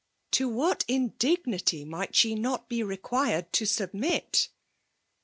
To wbat indignity loiglitalw not be required to svbmit?